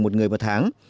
một người một tháng